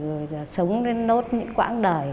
rồi sống lên nốt những quãng đời